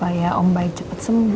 saya mah lebih baik baik